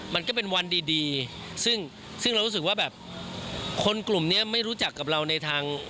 มันก็เป็นวันดีซึ่งซึ่งเรารู้สึกว่าแบบคนกลุ่มนี้ไม่รู้จักกับเราในทาง